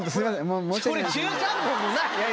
俺１３本もない！